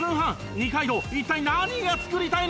二階堂一体何が作りたいのか？